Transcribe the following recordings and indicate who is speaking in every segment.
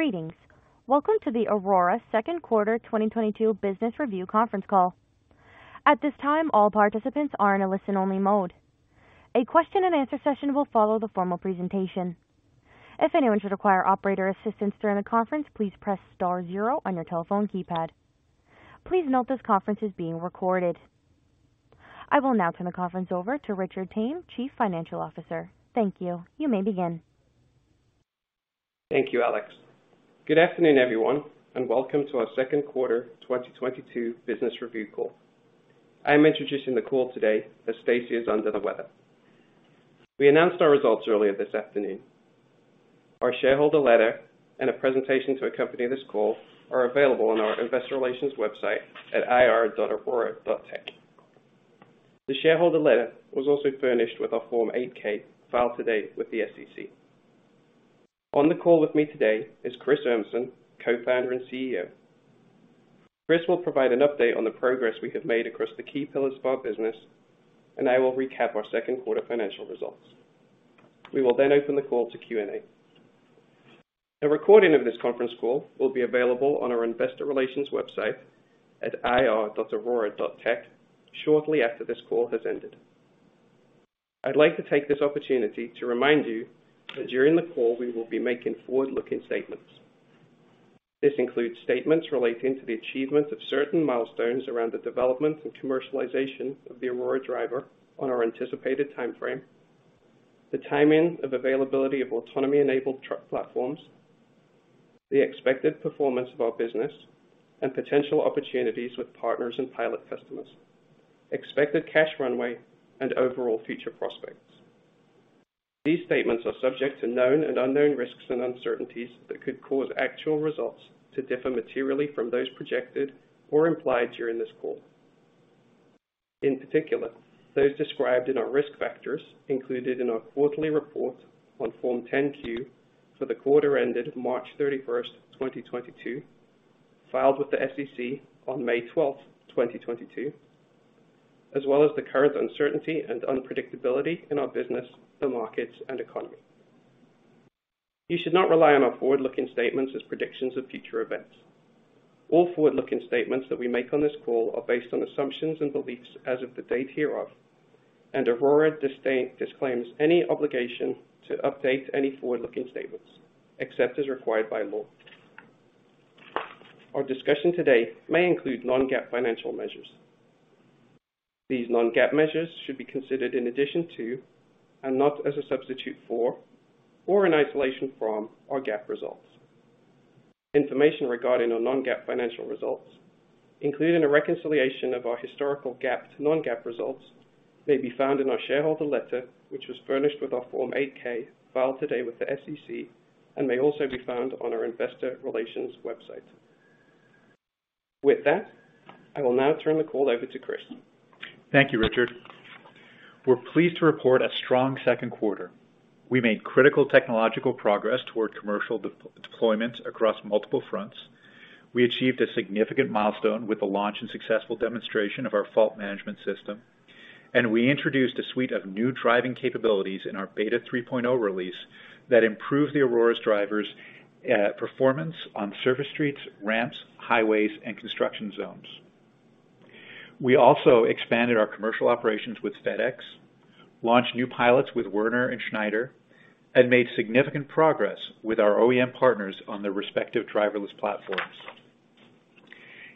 Speaker 1: Greetings. Welcome to the Aurora Second Quarter 2022 Business Review Conference Call. At this time, all participants are in a listen-only mode. A question-and-answer session will follow the formal presentation. If anyone should require operator assistance during the conference, please press star zero on your telephone keypad. Please note this conference is being recorded. I will now turn the conference over to Richard Tame, Chief Financial Officer. Thank you. You may begin.
Speaker 2: Thank you, Alex. Good afternoon, everyone, and welcome to our second quarter 2022 business review call. I am introducing the call today as Stacy Feit is under the weather. We announced our results earlier this afternoon. Our shareholder letter and a presentation to accompany this call are available on our investor relations website at ir.aurora.tech. The shareholder letter was also furnished with a Form 8-K filed today with the SEC. On the call with me today is Chris Urmson, Co-founder and CEO. Chris will provide an update on the progress we have made across the key pillars of our business, and I will recap our second quarter financial results. We will then open the call to Q&A. A recording of this conference call will be available on our investor relations website at ir.aurora.tech shortly after this call has ended. I'd like to take this opportunity to remind you that during the call we will be making forward-looking statements. This includes statements relating to the achievements of certain milestones around the development and commercialization of the Aurora Driver on our anticipated timeframe, the timing of availability of autonomy-enabled truck platforms, the expected performance of our business, and potential opportunities with partners and pilot customers, expected cash runway and overall future prospects. These statements are subject to known and unknown risks and uncertainties that could cause actual results to differ materially from those projected or implied during this call. In particular, those described in our risk factors included in our quarterly report on Form 10-Q for the quarter ended March 31st, 2022, filed with the SEC on May 12th, 2022, as well as the current uncertainty and unpredictability in our business, the markets and economy. You should not rely on our forward-looking statements as predictions of future events. All forward-looking statements that we make on this call are based on assumptions and beliefs as of the date hereof and Aurora disclaims any obligation to update any forward-looking statements, except as required by law. Our discussion today may include non-GAAP financial measures. These non-GAAP measures should be considered in addition to, and not as a substitute for, or an isolation from our GAAP results. Information regarding our non-GAAP financial measures, including a reconciliation of our historical GAAP to non-GAAP results, may be found in our shareholder letter, which was furnished with our Form 8-K filed today with the SEC and may also be found on our investor relations website. With that, I will now turn the call over to Chris.
Speaker 3: Thank you, Richard. We're pleased to report a strong second quarter. We made critical technological progress toward commercial deployment across multiple fronts. We achieved a significant milestone with the launch and successful demonstration of our Fault Management System. We introduced a suite of new driving capabilities in our Beta 3.0 release that improve the Aurora Driver's performance on surface streets, ramps, highways, and construction zones. We also expanded our commercial operations with FedEx, launched new pilots with Werner Enterprises and Schneider National, and made significant progress with our OEM partners on their respective driverless platforms.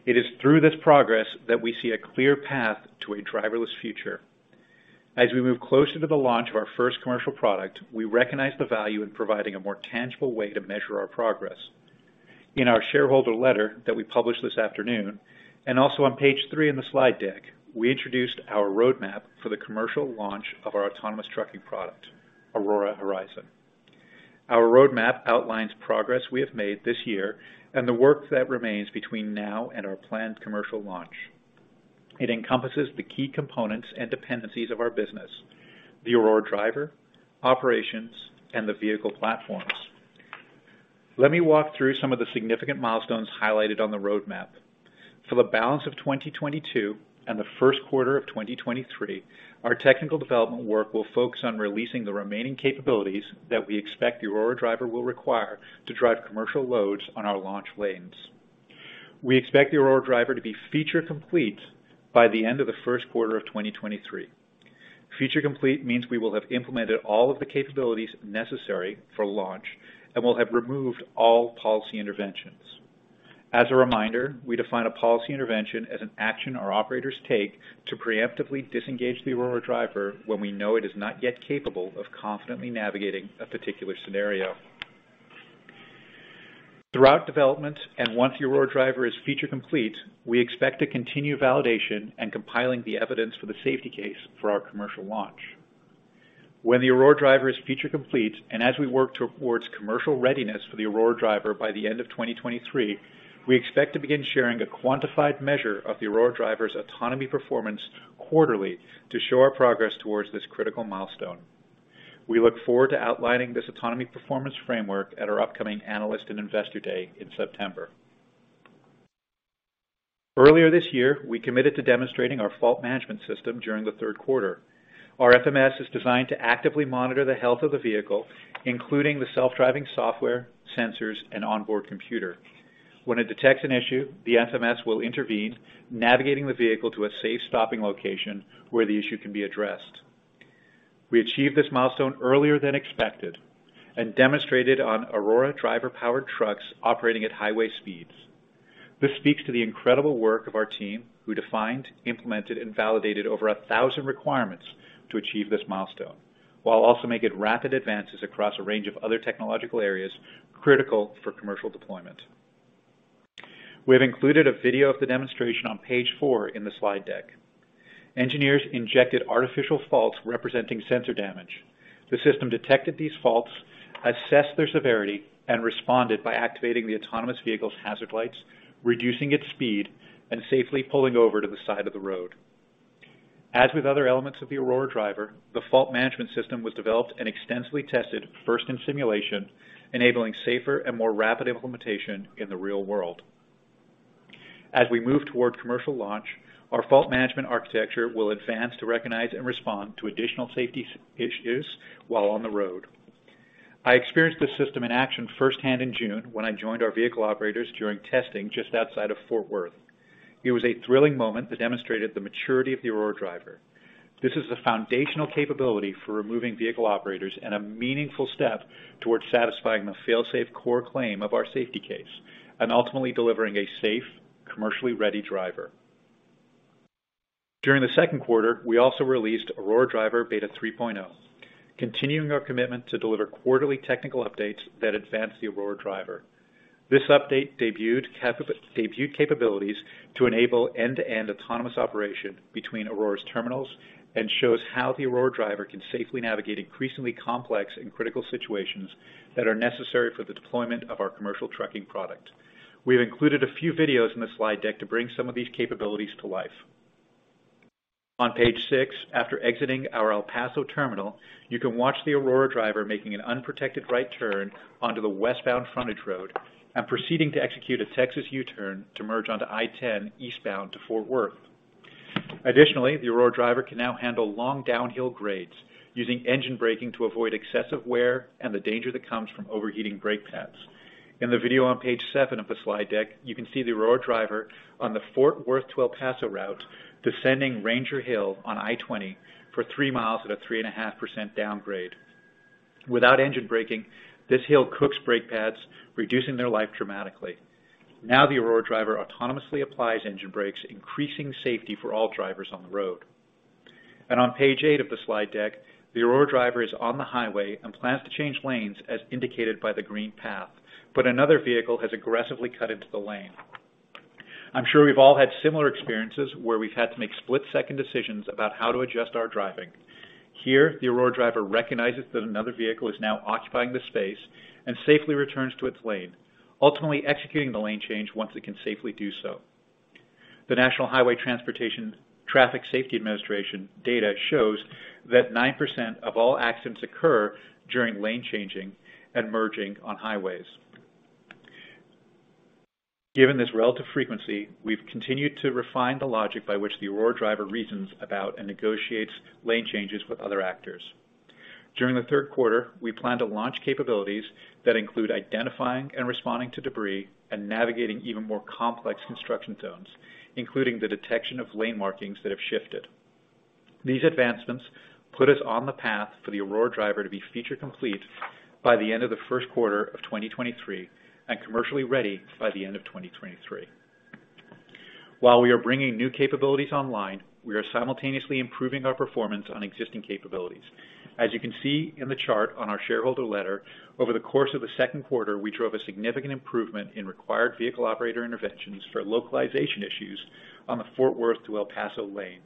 Speaker 3: It is through this progress that we see a clear path to a driverless future. As we move closer to the launch of our first commercial product, we recognize the value in providing a more tangible way to measure our progress. In our shareholder letter that we published this afternoon, and also on page three in the slide deck, we introduced our roadmap for the commercial launch of our autonomous trucking product, Aurora Horizon. Our roadmap outlines progress we have made this year and the work that remains between now and our planned commercial launch. It encompasses the key components and dependencies of our business, the Aurora Driver, operations, and the vehicle platforms. Let me walk through some of the significant milestones highlighted on the roadmap. For the balance of 2022 and the first quarter of 2023, our technical development work will focus on releasing the remaining capabilities that we expect the Aurora Driver will require to drive commercial loads on our launch lanes. We expect the Aurora Driver to be Feature Complete by the end of the first quarter of 2023. Feature Complete means we will have implemented all of the capabilities necessary for launch and will have removed all policy interventions. As a reminder, we define a policy intervention as an action our operators take to preemptively disengage the Aurora Driver when we know it is not yet capable of confidently navigating a particular scenario. Throughout development and once the Aurora Driver is Feature Complete, we expect to continue validation and compiling the evidence for the Safety Case for our commercial launch. When the Aurora Driver is Feature Complete, and as we work towards commercial readiness for the Aurora Driver by the end of 2023, we expect to begin sharing a quantified measure of the Aurora Driver's autonomy performance quarterly to show our progress towards this critical milestone. We look forward to outlining this autonomy performance framework at our upcoming Analyst and Investor Day in September. Earlier this year, we committed to demonstrating our Fault Management System during the third quarter. Our FMS is designed to actively monitor the health of the vehicle, including the self-driving software, sensors, and onboard computer. When it detects an issue, the FMS will intervene, navigating the vehicle to a safe stopping location where the issue can be addressed. We achieved this milestone earlier than expected and demonstrated on Aurora Driver-powered trucks operating at highway speeds. This speaks to the incredible work of our team, who defined, implemented, and validated over a thousand requirements to achieve this milestone, while also making rapid advances across a range of other technological areas critical for commercial deployment. We have included a video of the demonstration on page four in the slide deck. Engineers injected artificial faults representing sensor damage. The system detected these faults, assessed their severity, and responded by activating the autonomous vehicle's hazard lights, reducing its speed, and safely pulling over to the side of the road. As with other elements of the Aurora Driver, the fault management system was developed and extensively tested first in simulation, enabling safer and more rapid implementation in the real world. As we move toward commercial launch, our fault management architecture will advance to recognize and respond to additional safety issues while on the road. I experienced this system in action firsthand in June when I joined our vehicle operators during testing just outside of Fort Worth. It was a thrilling moment that demonstrated the maturity of the Aurora Driver. This is the foundational capability for removing vehicle operators and a meaningful step towards satisfying the fail-safe core claim of our Safety Case and ultimately delivering a safe, commercially ready driver. During the second quarter, we also released Aurora Driver Beta 3.0, continuing our commitment to deliver quarterly technical updates that advance the Aurora Driver. This update debuted capabilities to enable end-to-end autonomous operation between Aurora's terminals and shows how the Aurora Driver can safely navigate increasingly complex and critical situations that are necessary for the deployment of our commercial trucking product. We have included a few videos in the slide deck to bring some of these capabilities to life. On page six, after exiting our El Paso terminal, you can watch the Aurora Driver making an unprotected right turn onto the westbound frontage road and proceeding to execute a Texas U-turn to merge onto I-10 eastbound to Fort Worth. Additionally, the Aurora Driver can now handle long downhill grades using engine braking to avoid excessive wear and the danger that comes from overheating brake pads. In the video on page seven of the slide deck, you can see the Aurora Driver on the Fort Worth to El Paso route descending Ranger Hill on I-20 for 3 mi at a 3.5% downgrade. Without engine braking, this hill cooks brake pads, reducing their life dramatically. Now, the Aurora Driver autonomously applies engine brakes, increasing safety for all drivers on the road. On page eight of the slide deck, the Aurora Driver is on the highway and plans to change lanes, as indicated by the green path, but another vehicle has aggressively cut into the lane. I'm sure we've all had similar experiences where we've had to make split-second decisions about how to adjust our driving. Here, the Aurora Driver recognizes that another vehicle is now occupying the space and safely returns to its lane, ultimately executing the lane change once it can safely do so. The National Highway Traffic Safety Administration data shows that 9% of all accidents occur during lane changing and merging on highways. Given this relative frequency, we've continued to refine the logic by which the Aurora Driver reasons about and negotiates lane changes with other actors. During the third quarter, we plan to launch capabilities that include identifying and responding to debris and navigating even more complex construction zones, including the detection of lane markings that have shifted. These advancements put us on the path for the Aurora Driver to be Feature Complete by the end of the first quarter of 2023 and commercially ready by the end of 2023. While we are bringing new capabilities online, we are simultaneously improving our performance on existing capabilities. As you can see in the chart on our shareholder letter, over the course of the second quarter, we drove a significant improvement in required vehicle operator interventions for localization issues on the Fort Worth to El Paso lane,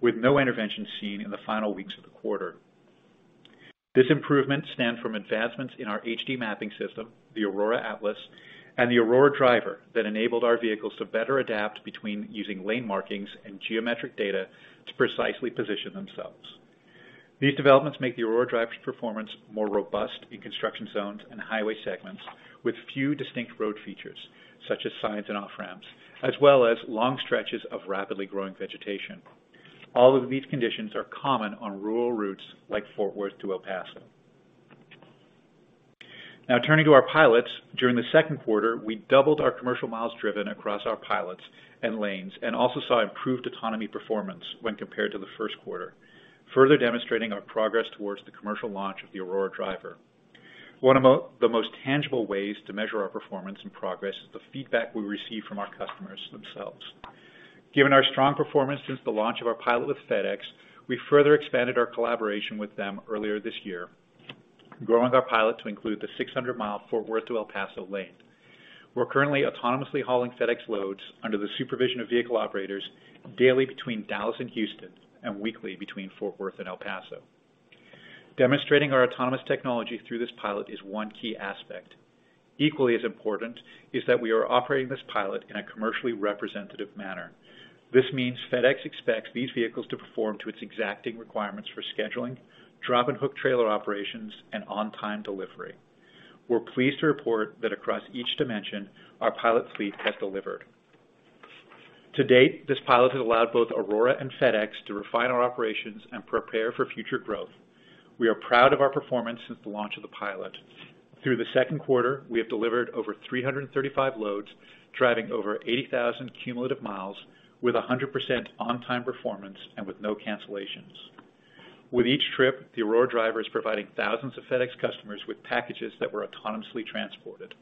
Speaker 3: with no intervention seen in the final weeks of the quarter. This improvement stemmed from advancements in our HD mapping system, the Aurora Atlas, and the Aurora Driver that enabled our vehicles to better adapt between using lane markings and geometric data to precisely position themselves. These developments make the Aurora Driver's performance more robust in construction zones and highway segments with few distinct road features, such as signs and off-ramps, as well as long stretches of rapidly growing vegetation. All of these conditions are common on rural routes like Fort Worth to El Paso. Now turning to our pilots. During the second quarter, we doubled our commercial miles driven across our pilots and lanes and also saw improved autonomy performance when compared to the first quarter, further demonstrating our progress towards the commercial launch of the Aurora Driver. One of the most tangible ways to measure our performance and progress is the feedback we receive from our customers themselves. Given our strong performance since the launch of our pilot with FedEx, we further expanded our collaboration with them earlier this year, growing our pilot to include the 600-mile Fort Worth to El Paso lane. We're currently autonomously hauling FedEx loads under the supervision of vehicle operators daily between Dallas and Houston and weekly between Fort Worth and El Paso. Demonstrating our autonomous technology through this pilot is one key aspect. Equally as important is that we are operating this pilot in a commercially representative manner. This means FedEx expects these vehicles to perform to its exacting requirements for scheduling, drop and hook trailer operations, and on-time delivery. We're pleased to report that across each dimension, our pilot fleet has delivered. To date, this pilot has allowed both Aurora and FedEx to refine our operations and prepare for future growth. We are proud of our performance since the launch of the pilot. Through the second quarter, we have delivered over 335 loads, driving over 80,000 cumulative miles with 100% on-time performance and with no cancellations. With each trip, the Aurora Driver is providing thousands of FedEx customers with packages that were autonomously transported.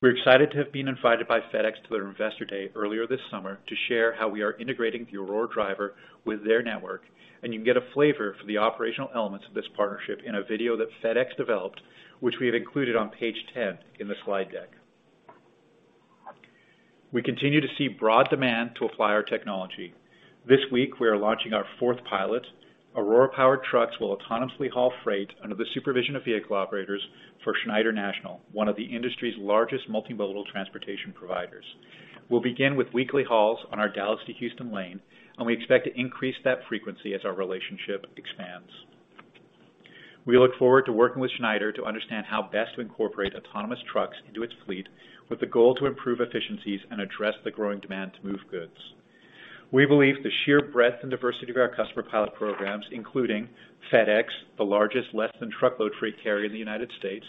Speaker 3: We're excited to have been invited by FedEx to their Investor Day earlier this summer to share how we are integrating the Aurora Driver with their network. You can get a flavor for the operational elements of this partnership in a video that FedEx developed, which we have included on page 10 in the slide deck. We continue to see broad demand to apply our technology. This week, we are launching our fourth pilot. Aurora powered trucks will autonomously haul freight under the supervision of vehicle operators for Schneider National, one of the industry's largest multimodal transportation providers. We'll begin with weekly hauls on our Dallas to Houston lane, and we expect to increase that frequency as our relationship expands. We look forward to working with Schneider to understand how best to incorporate autonomous trucks into its fleet, with the goal to improve efficiencies and address the growing demand to move goods. We believe the sheer breadth and diversity of our customer pilot programs, including FedEx, the largest less than truckload freight carrier in the United States,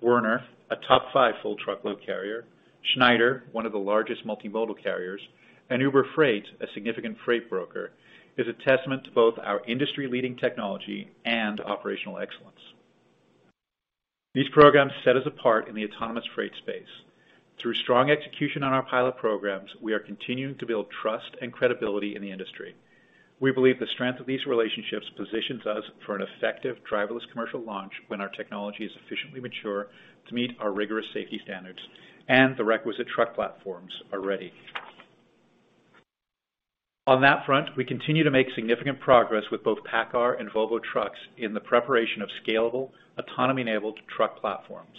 Speaker 3: Werner, a top five full truckload carrier, Schneider, one of the largest multimodal carriers, and Uber Freight, a significant freight broker, is a testament to both our industry-leading technology and operational excellence. These programs set us apart in the autonomous freight space. Through strong execution on our pilot programs, we are continuing to build trust and credibility in the industry. We believe the strength of these relationships positions us for an effective driverless commercial launch when our technology is sufficiently mature to meet our rigorous safety standards and the requisite truck platforms are ready. On that front, we continue to make significant progress with both PACCAR and Volvo Trucks in the preparation of scalable, autonomy-enabled truck platforms.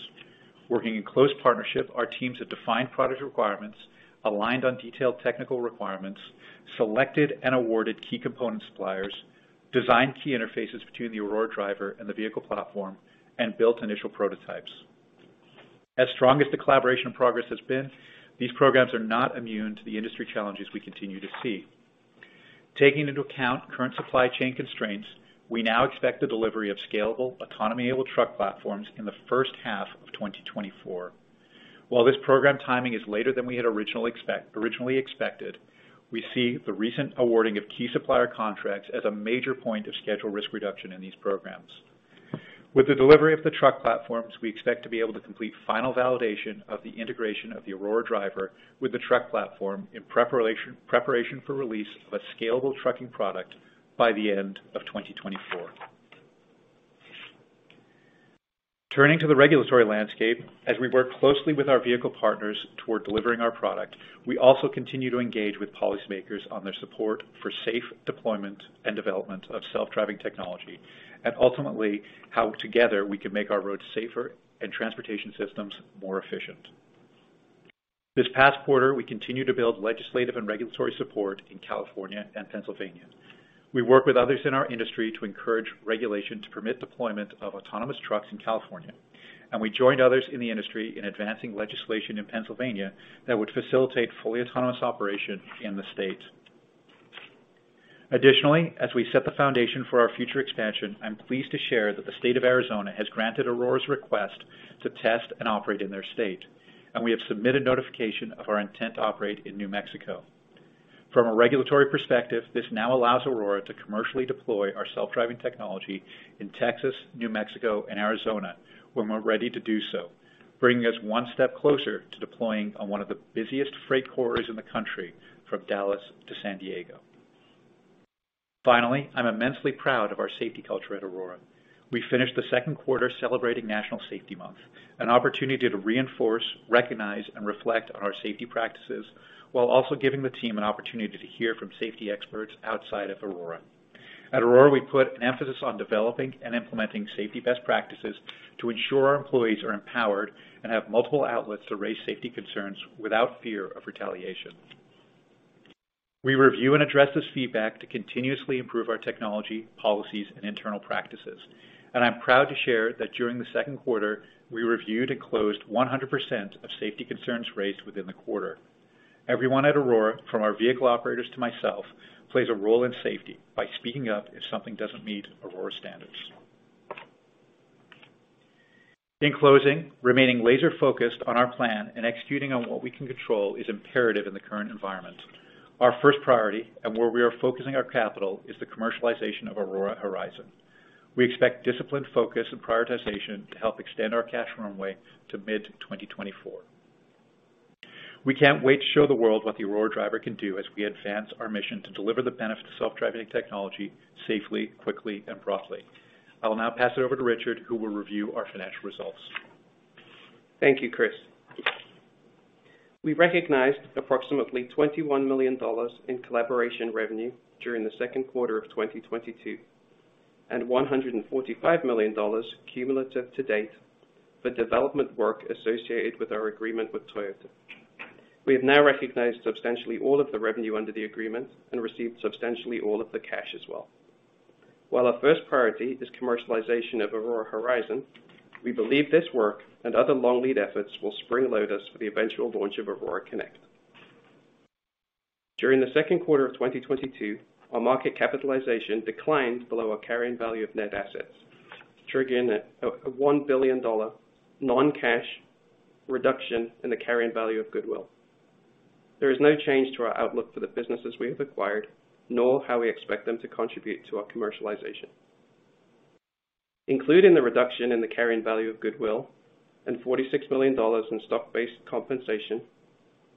Speaker 3: Working in close partnership, our teams have defined product requirements, aligned on detailed technical requirements, selected and awarded key component suppliers, designed key interfaces between the Aurora Driver and the vehicle platform, and built initial prototypes. As strong as the collaboration progress has been, these programs are not immune to the industry challenges we continue to see. Taking into account current supply chain constraints, we now expect the delivery of scalable, autonomy-enabled truck platforms in the first half of 2024. While this program timing is later than we had originally expected, we see the recent awarding of key supplier contracts as a major point of schedule risk reduction in these programs. With the delivery of the truck platforms, we expect to be able to complete final validation of the integration of the Aurora Driver with the truck platform in preparation for release of a scalable trucking product by the end of 2024. Turning to the regulatory landscape, as we work closely with our vehicle partners toward delivering our product, we also continue to engage with policymakers on their support for safe deployment and development of self-driving technology, and ultimately, how together we can make our roads safer and transportation systems more efficient. This past quarter, we continued to build legislative and regulatory support in California and Pennsylvania. We worked with others in our industry to encourage regulation to permit deployment of autonomous trucks in California. We joined others in the industry in advancing legislation in Pennsylvania that would facilitate fully autonomous operation in the state. Additionally, as we set the foundation for our future expansion, I'm pleased to share that the state of Arizona has granted Aurora's request to test and operate in their state, and we have submitted notification of our intent to operate in New Mexico. From a regulatory perspective, this now allows Aurora to commercially deploy our self-driving technology in Texas, New Mexico, and Arizona when we're ready to do so, bringing us one step closer to deploying on one of the busiest freight corridors in the country from Dallas to San Diego. Finally, I'm immensely proud of our safety culture at Aurora. We finished the second quarter celebrating National Safety Month, an opportunity to reinforce, recognize, and reflect on our safety practices while also giving the team an opportunity to hear from safety experts outside of Aurora. At Aurora, we put an emphasis on developing and implementing safety best practices to ensure our employees are empowered and have multiple outlets to raise safety concerns without fear of retaliation. We review and address this feedback to continuously improve our technology, policies, and internal practices. I'm proud to share that during the second quarter, we reviewed and closed 100% of safety concerns raised within the quarter. Everyone at Aurora, from our vehicle operators to myself, plays a role in safety by speaking up if something doesn't meet Aurora standards. In closing, remaining laser focused on our plan and executing on what we can control is imperative in the current environment. Our first priority, and where we are focusing our capital, is the commercialization of Aurora Horizon. We expect disciplined focus and prioritization to help extend our cash runway to mid-2024. We can't wait to show the world what the Aurora Driver can do as we advance our mission to deliver the benefit of self-driving technology safely, quickly, and broadly. I will now pass it over to Richard, who will review our financial results.
Speaker 2: Thank you, Chris. We recognized approximately $21 million in collaboration revenue during the second quarter of 2022. $145 million cumulative to date for development work associated with our agreement with Toyota. We have now recognized substantially all of the revenue under the agreement and received substantially all of the cash as well. While our first priority is commercialization of Aurora Horizon, we believe this work and other long lead efforts will springload us for the eventual launch of Aurora Connect. During the second quarter of 2022, our market capitalization declined below our carrying value of net assets, triggering a $1 billion non-cash reduction in the carrying value of goodwill. There is no change to our outlook for the businesses we have acquired, nor how we expect them to contribute to our commercialization. Including the reduction in the carrying value of goodwill and $46 million in stock-based compensation,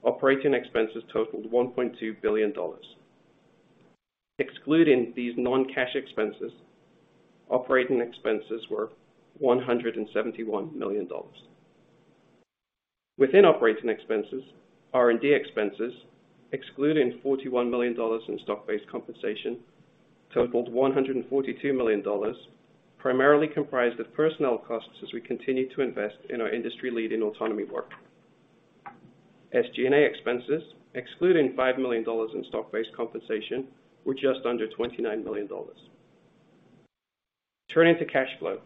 Speaker 2: operating expenses totaled $1.2 billion. Excluding these non-cash expenses, operating expenses were $171 million. Within operating expenses, R&D expenses, excluding $41 million in stock-based compensation, totaled $142 million, primarily comprised of personnel costs as we continue to invest in our industry-leading autonomy work. SG&A expenses, excluding $5 million in stock-based compensation, were just under $29 million. Turning to cash flow.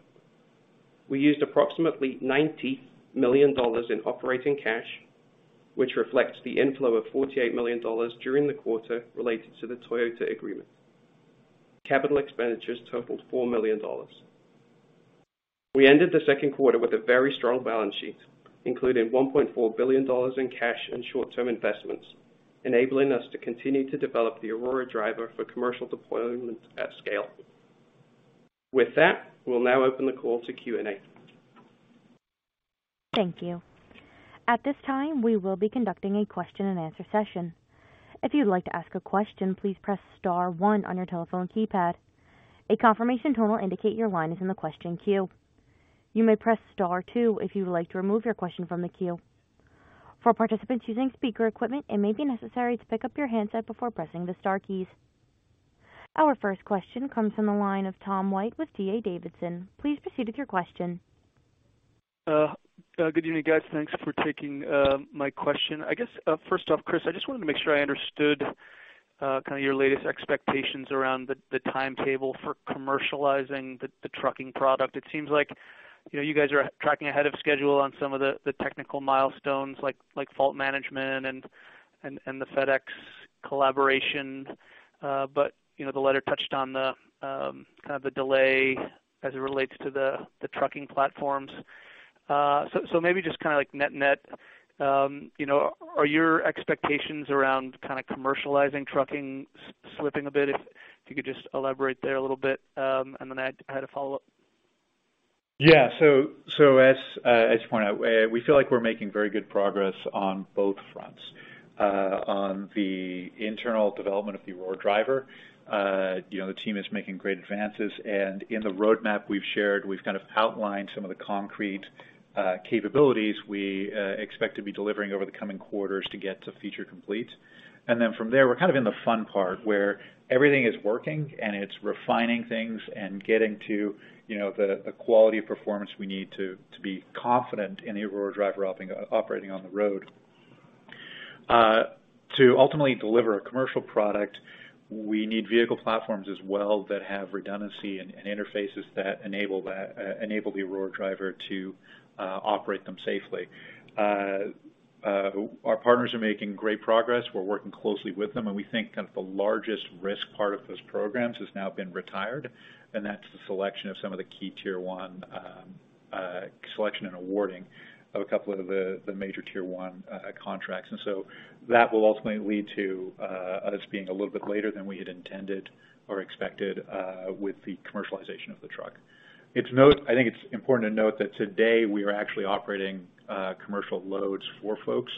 Speaker 2: We used approximately $90 million in operating cash, which reflects the inflow of $48 million during the quarter related to the Toyota agreement. Capital expenditures totaled $4 million. We ended the second quarter with a very strong balance sheet, including $1.4 billion in cash and short-term investments, enabling us to continue to develop the Aurora Driver for commercial deployment at scale. With that, we'll now open the call to Q&A.
Speaker 1: Thank you. At this time, we will be conducting a question-and-answer session. If you'd like to ask a question, please press star one on your telephone keypad. A confirmation tone will indicate your line is in the question queue. You may press star two if you would like to remove your question from the queue. For participants using speaker equipment, it may be necessary to pick up your handset before pressing the star keys. Our first question comes from the line of Tom White with D.A. Davidson. Please proceed with your question.
Speaker 4: Good evening, guys. Thanks for taking my question. I guess, first off, Chris, I just wanted to make sure I understood, kind of your latest expectations around the timetable for commercializing the trucking product. It seems like, you know, you guys are tracking ahead of schedule on some of the technical milestones like fault management and the FedEx collaboration. You know, the letter touched on the kind of the delay as it relates to the trucking platforms. Maybe just kind of like net-net, you know, are your expectations around kind of commercializing trucking slipping a bit? If you could just elaborate there a little bit, and then I had a follow-up.
Speaker 3: Yeah. So as you point out, we feel like we're making very good progress on both fronts. On the internal development of the Aurora Driver, you know, the team is making great advances, and in the roadmap we've shared, we've kind of outlined some of the concrete capabilities we expect to be delivering over the coming quarters to get to Feature Complete. From there, we're kind of in the fun part where everything is working and it's refining things and getting to, you know, the quality of performance we need to be confident in the Aurora Driver operating on the road. To ultimately deliver a commercial product, we need vehicle platforms as well that have redundancy and interfaces that enable the Aurora Driver to operate them safely. Our partners are making great progress. We're working closely with them, and we think kind of the largest risk part of those programs has now been retired, and that's the selection and awarding of a couple of the major Tier 1 contracts. That will ultimately lead to us being a little bit later than we had intended or expected with the commercialization of the truck. I think it's important to note that today we are actually operating commercial loads for folks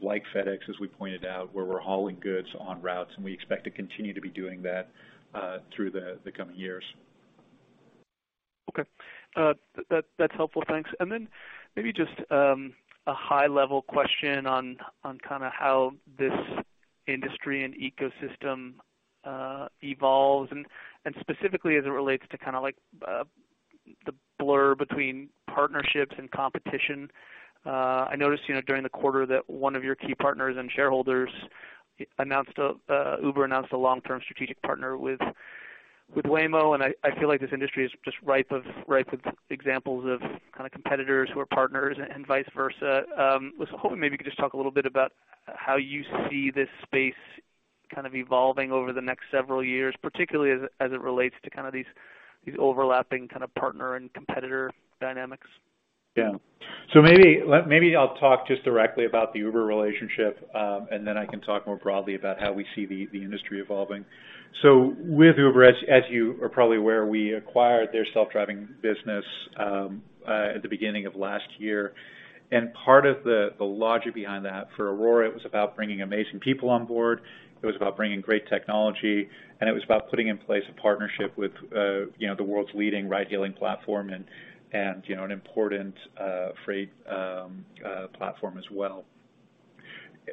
Speaker 3: like FedEx, as we pointed out, where we're hauling goods on routes, and we expect to continue to be doing that through the coming years.
Speaker 4: Okay. That's helpful. Thanks. Maybe just a high-level question on kind of how this industry and ecosystem evolves and specifically as it relates to kind of like the blur between partnerships and competition. I noticed, you know, during the quarter that one of your key partners and shareholders announced Uber announced a long-term strategic partnership with Waymo, and I feel like this industry is just ripe with examples of kind of competitors who are partners and vice versa. Was hoping maybe you could just talk a little bit about how you see this space kind of evolving over the next several years, particularly as it relates to kind of these overlapping kind of partner and competitor dynamics.
Speaker 3: Yeah. Maybe I'll talk just directly about the Uber relationship, and then I can talk more broadly about how we see the industry evolving. With Uber, as you are probably aware, we acquired their self-driving business at the beginning of last year. Part of the logic behind that for Aurora, it was about bringing amazing people on board. It was about bringing great technology, and it was about putting in place a partnership with, you know, the world's leading ride-hailing platform and, you know, an important freight platform as well.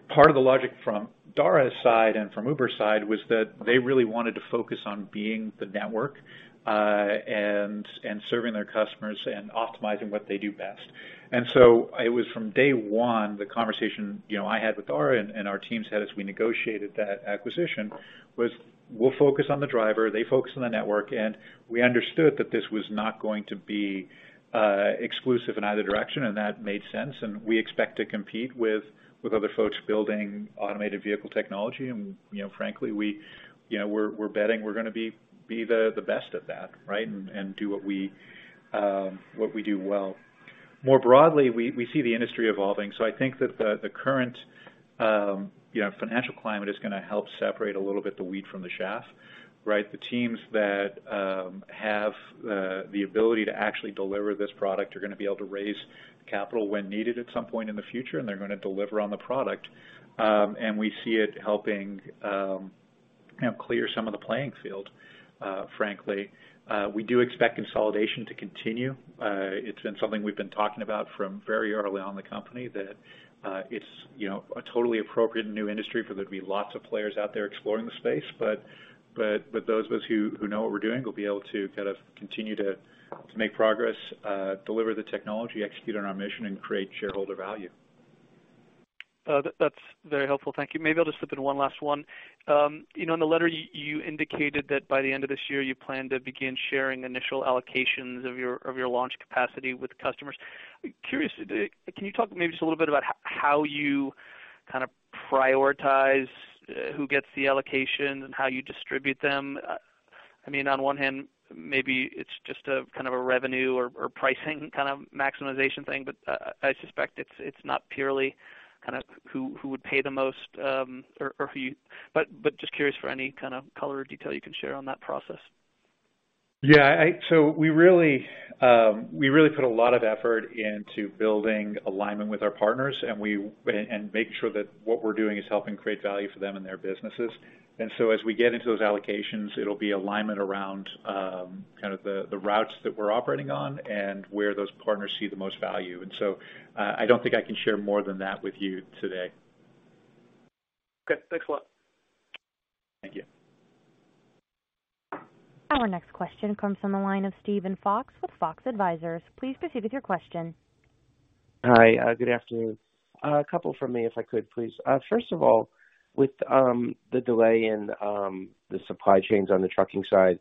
Speaker 3: Part of the logic from Dara Khosrowshahi's side and from Uber's side was that they really wanted to focus on being the network, and serving their customers and optimizing what they do best. It was from day one, the conversation, you know, I had with Dara and our teams had as we negotiated that acquisition was we'll focus on the driver, they focus on the network, and we understood that this was not going to be exclusive in either direction, and that made sense. We expect to compete with other folks building automated vehicle technology. You know, frankly, we're betting we're gonna be the best at that, right? Do what we do well. More broadly, we see the industry evolving. I think that the current financial climate is gonna help separate a little bit the wheat from the chaff, right? The teams that have the ability to actually deliver this product are gonna be able to raise capital when needed at some point in the future, and they're gonna deliver on the product. We see it helping, you know, clear some of the playing field, frankly. We do expect consolidation to continue. It's been something we've been talking about from very early on the company that it's, you know, a totally appropriate new industry for there to be lots of players out there exploring the space. Those of us who know what we're doing will be able to kind of continue to make progress, deliver the technology, execute on our mission, and create shareholder value.
Speaker 4: That's very helpful. Thank you. Maybe I'll just slip in one last one. You know, in the letter you indicated that by the end of this year, you plan to begin sharing initial allocations of your launch capacity with customers. Curious, can you talk maybe just a little bit about how you kind of prioritize who gets the allocation and how you distribute them? I mean, on one hand, maybe it's just a kind of a revenue or pricing kind of maximization thing, but I suspect it's not purely kind of who would pay the most. Just curious for any kind of color or detail you can share on that process.
Speaker 3: So we really put a lot of effort into building alignment with our partners and making sure that what we're doing is helping create value for them and their businesses. As we get into those allocations, it'll be alignment around kind of the routes that we're operating on and where those partners see the most value. I don't think I can share more than that with you today.
Speaker 4: Okay. Thanks a lot.
Speaker 3: Thank you.
Speaker 1: Our next question comes from the line of Steven Fox with Fox Advisors. Please proceed with your question.
Speaker 5: Hi. Good afternoon. A couple from me, if I could, please. First of all, with the delay in the supply chains on the trucking side,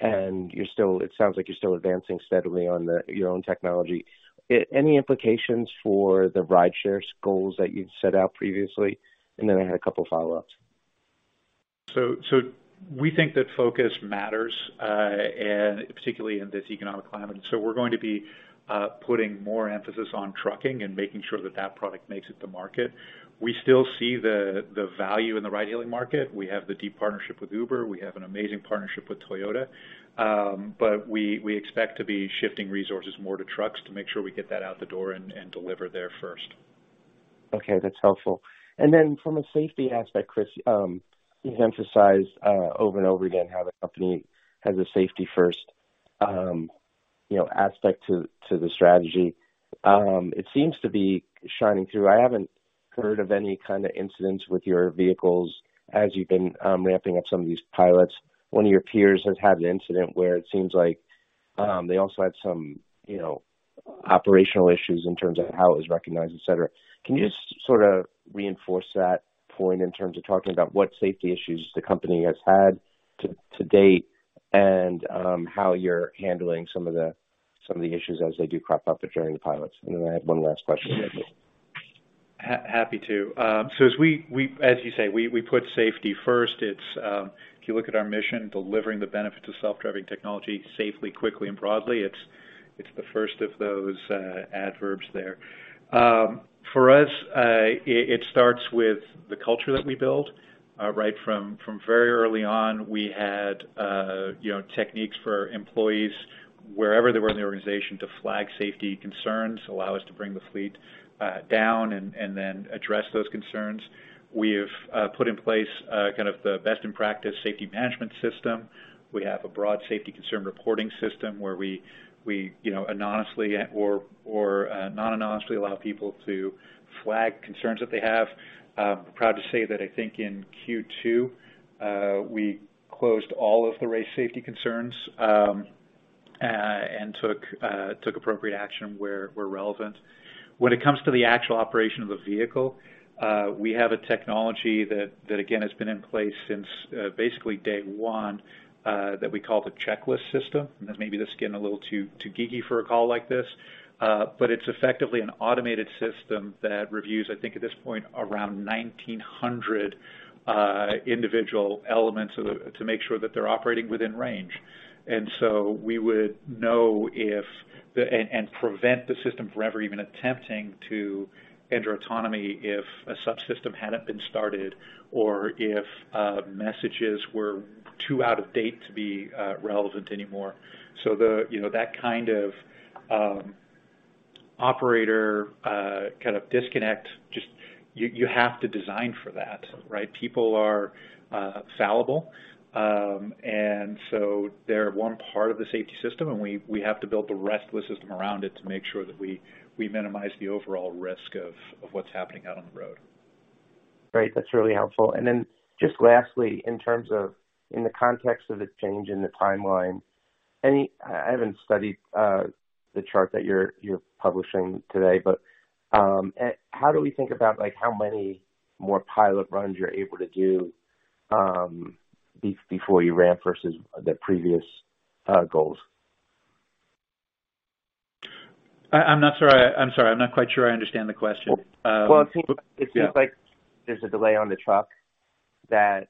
Speaker 5: and it sounds like you're still advancing steadily on your own technology. Any implications for the ride-share goals that you'd set out previously? Then I have a couple of follow-ups.
Speaker 3: We think that focus matters and particularly in this economic climate. We're going to be putting more emphasis on trucking and making sure that product makes it to market. We still see the value in the ride-hailing market. We have the deep partnership with Uber. We have an amazing partnership with Toyota. We expect to be shifting resources more to trucks to make sure we get that out the door and deliver there first.
Speaker 5: Okay, that's helpful. Then from a safety aspect, Chris, you've emphasized over and over again how the company has a safety first, you know, aspect to the strategy. It seems to be shining through. I haven't heard of any kind of incidents with your vehicles as you've been ramping up some of these pilots. One of your peers has had an incident where it seems like they also had some, you know, operational issues in terms of how it was recognized, et cetera. Can you just sort of reinforce that point in terms of talking about what safety issues the company has had to date and how you're handling some of the issues as they do crop up during the pilots? Then I have one last question after.
Speaker 3: Happy to. So as you say, we put safety first. It's if you look at our mission, delivering the benefits of self-driving technology safely, quickly and broadly, it's the first of those adverbs there. For us, it starts with the culture that we build right from very early on. We had you know techniques for employees wherever they were in the organization to flag safety concerns, allow us to bring the fleet down and then address those concerns. We have put in place kind of the best in practice safety management system. We have a broad safety concern reporting system where we you know anonymously or not anonymously allow people to flag concerns that they have. Proud to say that I think in Q2, we closed all of the race safety concerns, and took appropriate action where relevant. When it comes to the actual operation of the vehicle, we have a technology that again has been in place since basically day one, that we call the Safety Checklist system. Maybe this is getting a little too geeky for a call like this. But it's effectively an automated system that reviews, I think at this point, around 1,900 individual elements to make sure that they're operating within range. We would know if the and prevent the system from ever even attempting to enter autonomy if a subsystem hadn't been started or if messages were too out-of-date to be relevant anymore. So the- ...You know, that kind of operator disconnect, just you have to design for that, right? People are fallible. They're one part of the safety system, and we have to build the rest of the system around it to make sure that we minimize the overall risk of what's happening out on the road.
Speaker 5: Great. That's really helpful. Just lastly, in terms of in the context of the change in the timeline, I haven't studied the chart that you're publishing today, but how do we think about, like, how many more pilot runs you're able to do before you ramp up versus the previous goals?
Speaker 3: I'm not sure. I'm sorry. I'm not quite sure I understand the question.
Speaker 5: Well, it seems...
Speaker 3: Yeah.
Speaker 5: It seems like there's a delay on the truck that,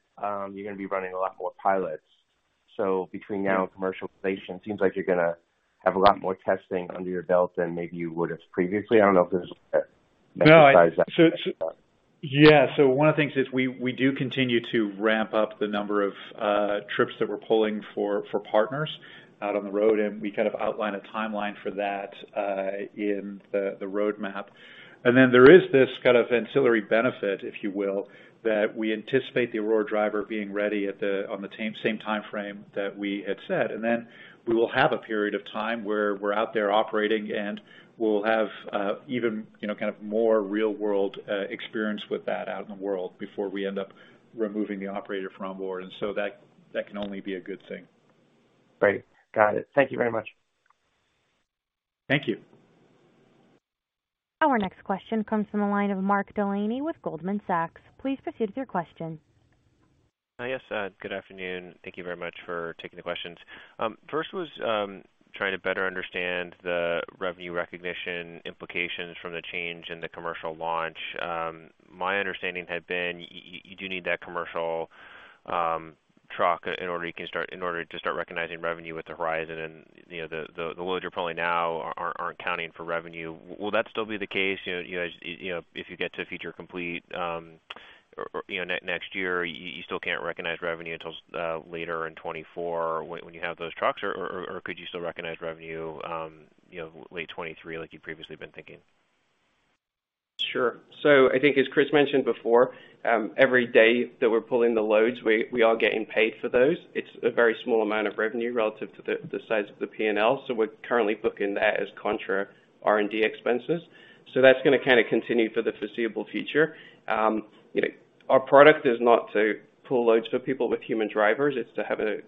Speaker 5: you're gonna be running a lot more pilots. Between now and commercialization, it seems like you're gonna have a lot more testing under your belt than maybe you would have previously. I don't know if there's a metric size that.
Speaker 3: Yeah. One of the things is we do continue to ramp up the number of trips that we're pulling for partners out on the road, and we kind of outline a timeline for that in the roadmap. There is this kind of ancillary benefit, if you will, that we anticipate the Aurora Driver being ready on the same timeframe that we had said. We will have a period of time where we're out there operating, and we'll have even you know kind of more real-world experience with that out in the world before we end up removing the operator from onboard. That can only be a good thing.
Speaker 5: Great. Got it. Thank you very much.
Speaker 3: Thank you.
Speaker 1: Our next question comes from the line of Mark Delaney with Goldman Sachs. Please proceed with your question.
Speaker 6: Yes, good afternoon. Thank you very much for taking the questions. First was trying to better understand the revenue recognition implications from the change in the commercial launch. My understanding had been you do need that commercial truck in order you can start in order to start recognizing revenue with the horizon. You know, the loads you're pulling now aren't accounting for revenue. Will that still be the case? You know, you guys, you know, if you get to feature complete, or, you know, next year, you still can't recognize revenue until later in 2024 when you have those trucks, or, or could you still recognize revenue, you know, late 2023 like you've previously been thinking?
Speaker 2: Sure. I think, as Chris mentioned before, every day that we're pulling the loads, we are getting paid for those. It's a very small amount of revenue relative to the size of the P&L, so we're currently booking that as contra R&D expenses. That's gonna kinda continue for the foreseeable future. You know, our product is not to pull loads for people with human drivers, it's to have an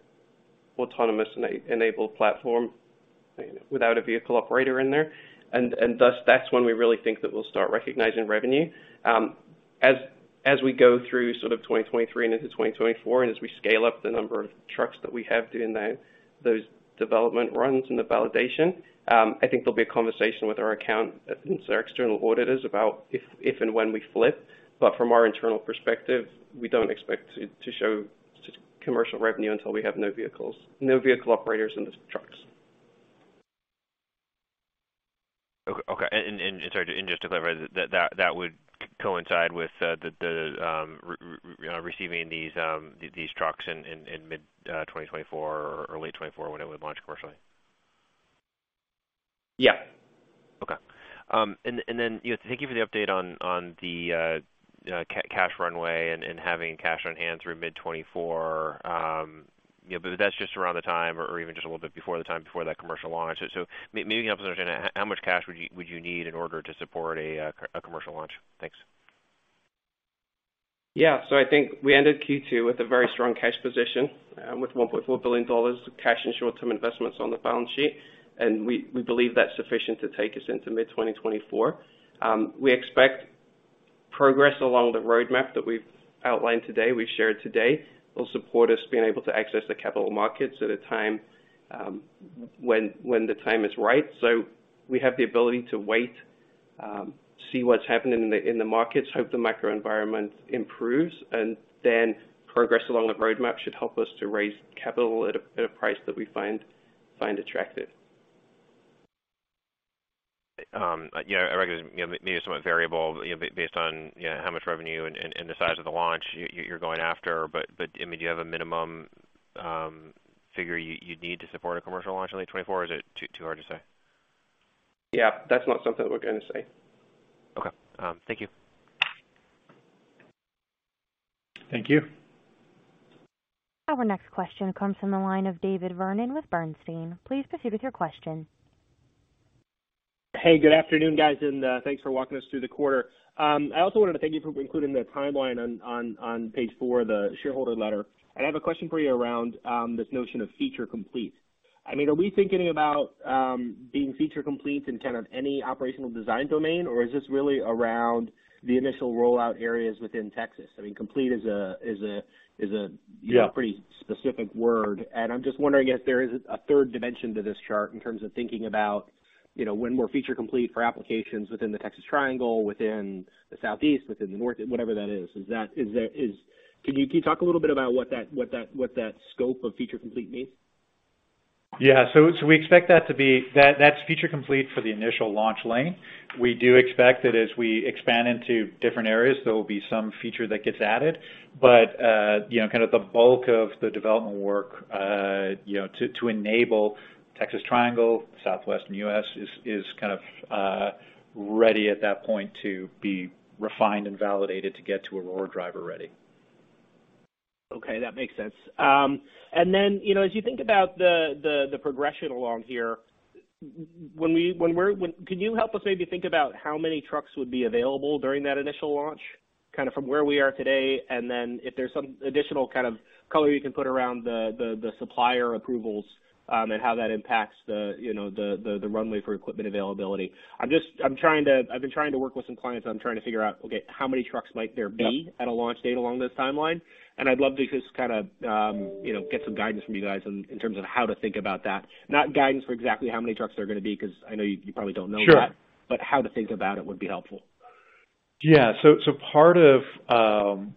Speaker 2: autonomous-enabled platform without a vehicle operator in there. And thus, that's when we really think that we'll start recognizing revenue. As we go through sort of 2023 and into 2024, and as we scale up the number of trucks that we have doing those development runs and the validation, I think there'll be a conversation with our accountants, our external auditors about if and when we flip. From our internal perspective, we don't expect it to show commercial revenue until we have no vehicle operators in the trucks.
Speaker 6: Okay. Sorry, just to clarify, that would coincide with the receiving you know, these trucks in mid-2024 or early 2024 whenever it would launch commercially?
Speaker 2: Yeah.
Speaker 6: Okay. You know, thank you for the update on the you know, cash runway and having cash on hand through mid-2024. You know, that's just around the time or even just a little bit before the time before that commercial launch. Maybe help understand how much cash would you need in order to support a commercial launch? Thanks.
Speaker 2: Yeah. I think we ended Q2 with a very strong cash position, with $1.4 billion of cash and short-term investments on the balance sheet. We believe that's sufficient to take us into mid-2024. We expect progress along the roadmap that we've outlined today, we've shared today, will support us being able to access the capital markets at a time, when the time is right. We have the ability to wait, see what's happening in the markets, hope the macro environment improves, and then progress along the roadmap should help us to raise capital at a price that we find attractive.
Speaker 6: Yeah, I reckon, you know, maybe somewhat variable, you know, based on, you know, how much revenue and the size of the launch you're going after, but I mean, do you have a minimum figure you'd need to support a commercial launch in late 2024, or is it too hard to say?
Speaker 2: Yeah. That's not something we're gonna say.
Speaker 6: Okay. Thank you.
Speaker 3: Thank you.
Speaker 1: Our next question comes from the line of David Vernon with Bernstein. Please proceed with your question.
Speaker 7: Hey, good afternoon, guys, and thanks for walking us through the quarter. I also wanted to thank you for including the timeline on page four of the shareholder letter. I have a question for you around this notion of Feature Complete. I mean, are we thinking about being Feature Complete in kind of any operational design domain, or is this really around the initial rollout areas within Texas?
Speaker 3: Yeah.
Speaker 5: You know, pretty specific word, and I'm just wondering if there is a third dimension to this chart in terms of thinking about, you know, when we're Feature Complete for applications within the Texas Triangle, within the Southeast, within the North, whatever that is. Is there... Can you talk a little bit about what that scope of Feature Complete means?
Speaker 3: We expect that to be Feature Complete for the initial launch lane. We do expect that as we expand into different areas, there will be some feature that gets added. You know, kind of the bulk of the development work, you know, to enable Texas Triangle, Southwestern U.S. is kind of ready at that point to be refined and validated to get to Aurora Driver ready.
Speaker 7: Okay, that makes sense. You know, as you think about the progression along here, can you help us maybe think about how many trucks would be available during that initial launch, kind of from where we are today, and then if there's some additional kind of color you can put around the supplier approvals, and how that impacts the runway for equipment availability. I've been trying to work with some clients. I'm trying to figure out, okay, how many trucks might there be at a launch date along this timeline. I'd love to just kind of get some guidance from you guys in terms of how to think about that. Not guidance for exactly how many trucks there are gonna be, because I know you probably don't know that?
Speaker 3: Sure.
Speaker 7: How to think about it would be helpful.
Speaker 3: Yeah. Part of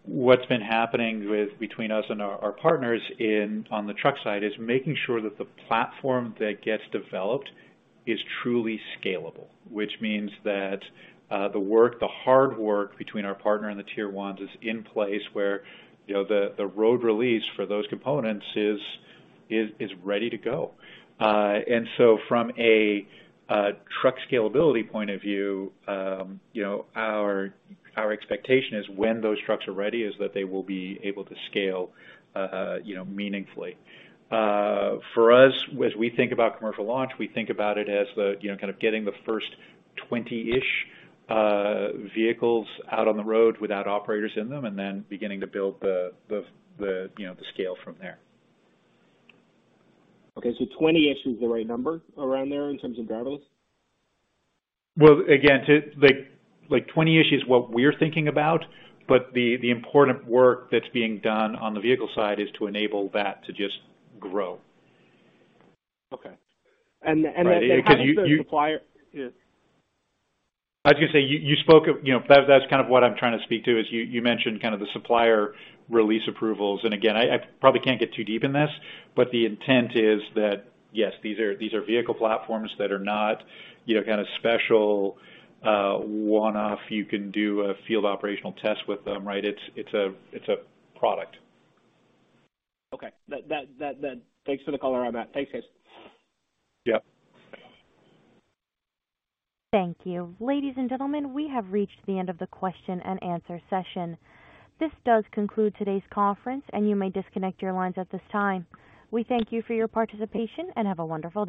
Speaker 3: what's been happening between us and our partners on the truck side is making sure that the platform that gets developed is truly scalable. Which means that the hard work between our partner and the tier ones is in place where, you know, the road release for those components is ready to go. From a truck scalability point of view, you know, our expectation is when those trucks are ready is that they will be able to scale, you know, meaningfully. For us, as we think about commercial launch, we think about it as the, you know, kind of getting the first 20-ish vehicles out on the road without operators in them, and then beginning to build the, you know, the scale from there.
Speaker 7: Okay. 20-ish is the right number around there in terms of guidance?
Speaker 3: Well, again, to like 20-ish is what we're thinking about, but the important work that's being done on the vehicle side is to enable that to just grow.
Speaker 7: Okay. How does the supplier-
Speaker 3: I was gonna say, you spoke of, you know, that's kind of what I'm trying to speak to, is you mentioned kind of the supplier release approvals. Again, I probably can't get too deep in this, but the intent is that, yes, these are vehicle platforms that are not, you know, kind of special, one-off. You can do a field operational test with them, right? It's a product.
Speaker 7: Okay. Thanks for the color on that. Thanks, Chris.
Speaker 3: Yep.
Speaker 1: Thank you. Ladies and gentlemen, we have reached the end of the question and answer session. This does conclude today's conference, and you may disconnect your lines at this time. We thank you for your participation and have a wonderful day.